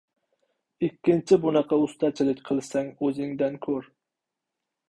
— Ikkinchi bunaqa ustachilik qilsang, o‘zingdan ko‘r.